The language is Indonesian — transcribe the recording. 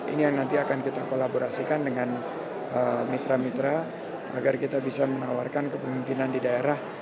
ini yang nanti akan kita kolaborasikan dengan mitra mitra agar kita bisa menawarkan kepemimpinan di daerah